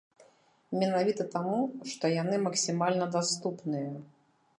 Менавіта таму, што яны максімальна даступныя.